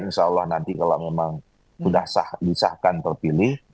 insya allah nanti kalau memang sudah disahkan terpilih